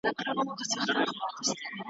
جهاني کړي غزلونه د جانان په صفت ستړي `